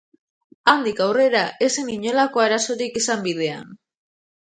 Handik aurrera ez zen inolako arazorik izan bidean.